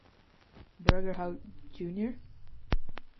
Burgerhout jr.